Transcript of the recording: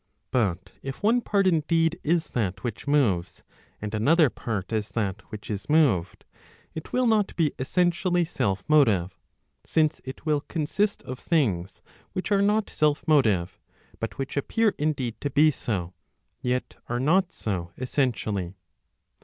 But if one part indeed, is that which moves, and another part is that which is moved, it will not be essentially self motive, since it will consist of things which are not self motive, but which appear indeed to be so* yet are not so essentially.